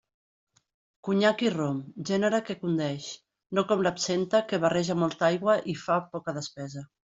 Conyac i rom, gènere que condeix, no com l'absenta, que barreja molta aigua i fa poca despesa.